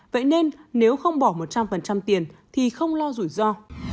vậy nên nếu không bỏ một trăm linh tiền thì không lo rủi ro